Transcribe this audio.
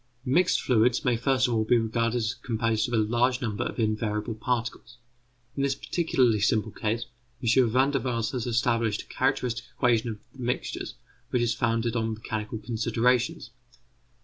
Mixed fluids may first of all be regarded as composed of a large number of invariable particles. In this particularly simple case M. Van der Waals has established a characteristic equation of the mixtures which is founded on mechanical considerations.